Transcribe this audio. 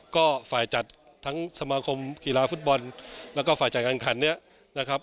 ก็ฝ่ายจัดทั้งสมาคมกีฬาฟุตบอลแล้วก็ฝ่ายจัดการขันเนี่ยนะครับ